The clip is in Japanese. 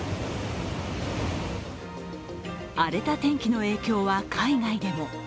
荒れた天気の影響は海外でも。